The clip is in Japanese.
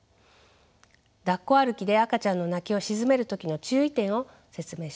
だっこ歩きで赤ちゃんの泣きを鎮める時の注意点を説明します。